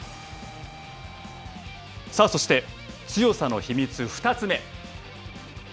そして、強さの秘密２つ目。